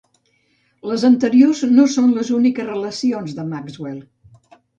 Les anteriors no són les úniques relacions de Maxwell.